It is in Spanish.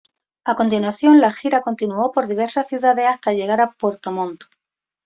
A continuación, la gira continuó por diversas ciudades hasta llegar a Puerto Montt.